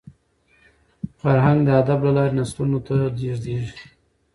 فرهنګ د ادب له لاري نسلونو ته لېږدېږي.